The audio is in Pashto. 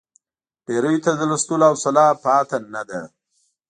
ډېریو ته د لوستلو حوصله پاتې نه ده.